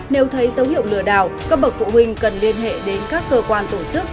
nếu thấy dấu hiệu lừa đảo các bậc phụ huynh cần liên hệ đến các cơ quan tổ chức